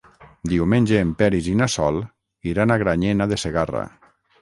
Diumenge en Peris i na Sol iran a Granyena de Segarra.